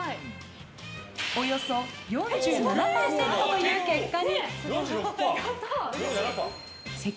［およそ４７％という結果に］やった。